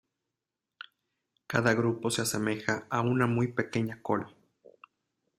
Cada grupo se asemeja a una muy pequeña col.